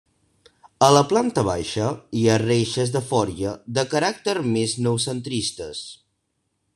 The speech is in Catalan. A la planta baixa hi ha reixes de forja de caràcter més noucentistes.